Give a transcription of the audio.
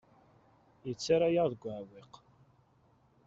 Yettarra-yaɣ deg uɛewwiq.